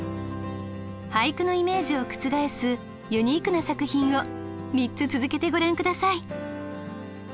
俳句のイメージを覆すユニークな作品を３つ続けてご覧下さい。